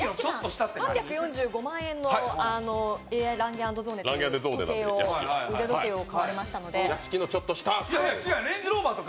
３４５万円のＡ．ランゲ＆ゾーネという腕時計を買ってましたので。